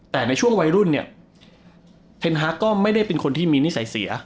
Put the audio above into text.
แต่ในช่วงวัยรุ่นเนี่ยเพนฮาร์ก็ไม่ได้เป็นคนที่มีนิสัยเสีย